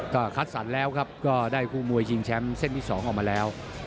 ก็คัดสรรแล้วครับก็ได้คู่มวยชิงแชมป์เส้นที่๒ออกมาแล้ว